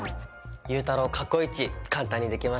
ゆうたろう過去一簡単にできました。